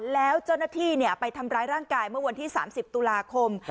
แล้วเจ้าหน้าที่ไปทำร้ายร่างกายเมื่อวันที่๓๐ตุลาคม